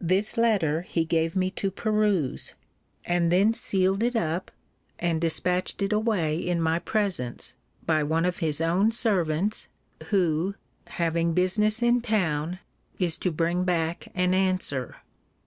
This letter he gave me to peruse; and then sealed it up, and dispatched it away in my presence, by one of his own servants, who, having business in town, is to bring back an answer.